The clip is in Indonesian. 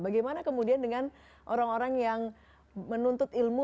bagaimana kemudian dengan orang orang yang menuntut ilmu